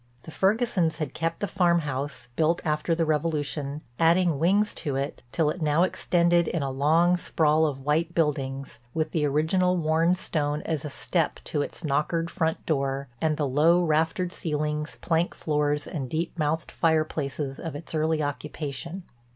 The Fergusons had kept the farm house, built after the Revolution, adding wings to it, till it now extended in a long, sprawl of white buildings, with the original worn stone as a step to its knockered front door, and the low, raftered ceilings, plank floors, and deep mouthed fireplaces of its early occupation.